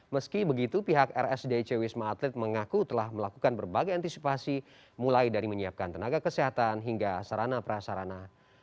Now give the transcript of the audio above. meski begitu pihak rsdc wisma atlet mengaku telah melakukan berbagai antisipasi mulai dari menyiapkan tenaga kesehatan hingga sarana prasarana